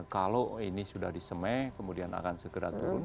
kalau ini sudah disemeh kemudian akan segera turun